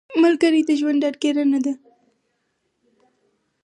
ملګری د ژوند ډاډګیرنه ده